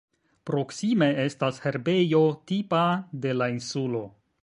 Proksime estas herbejo, tipa de la insulo.